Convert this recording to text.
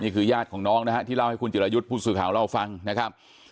นี่คือญาติของน้องนะครับที่เล่าให้คุณจิลายุทธ์พูดสื่อข่าวเล่าฟังนะครับ